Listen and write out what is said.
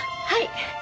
はい。